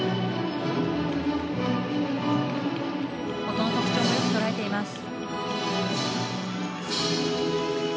音の特徴もよく捉えています。